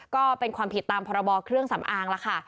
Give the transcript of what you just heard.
ก็เป็นความผิดตามพรบเครื่องสำอางแล้วค่ะ